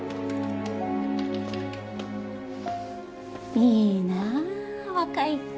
いいな若いって。